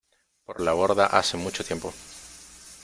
por la borda hace mucho tiempo.